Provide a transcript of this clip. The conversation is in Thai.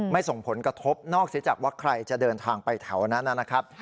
ส่งผลกระทบนอกเสียจากว่าใครจะเดินทางไปแถวนั้นนะครับ